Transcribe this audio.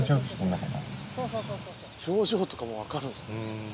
表情とかも分かるんですかね。